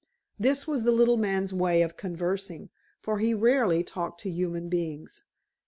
This was the little man's way of conversing, for he rarely talked to human beings.